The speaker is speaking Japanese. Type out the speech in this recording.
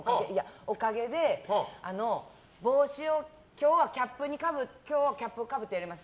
おかげで今日はキャップをかぶってやります